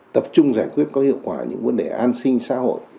tập trung giải quyết có hiệu quả những vấn đề an sinh xã hội